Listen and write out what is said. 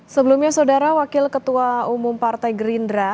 sebelumnya saudara wakil ketua umum partai gerindra